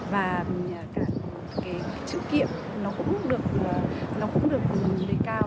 và cái chữ kiệm nó cũng được lấy cao